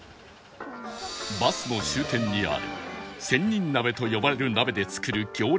バスの終点にある「仙人鍋」と呼ばれる鍋で作る行列グルメ